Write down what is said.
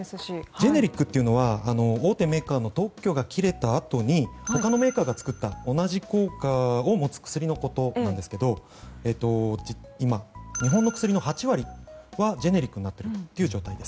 ジェネリックというのは大手メーカーの特許が切れたあと他のメーカーが作った同じ効果を持つ薬のことですが今、日本の薬の８割がジェネリックになっています。